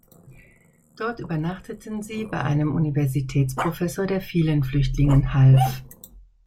Dort übernachteten sie bei einem Universitätsprofessor, der vielen Flüchtlingen half.